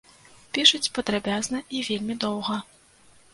Пішуць падрабязна і вельмі доўга.